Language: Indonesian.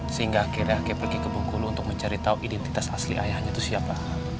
sehingga akhirnya dia pergi ke bengkulu untuk mencari tahu identitas asli ayahnya itu siapa